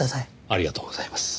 ありがとうございます。